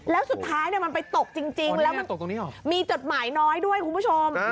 แล้วสุดท้ายมันไปตกจริงแล้วมันมีจดหมายน้อยด้วยคุณผู้ชม